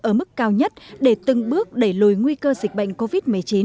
ở mức cao nhất để từng bước đẩy lùi nguy cơ dịch bệnh covid một mươi chín